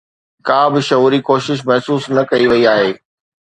ڪابه شعوري ڪوشش محسوس نه ڪئي وئي آهي